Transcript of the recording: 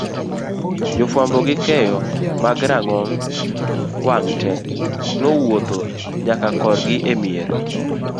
jofuambo gi keyo mag rang'ong wang' te nowuodho nyakakorgiemier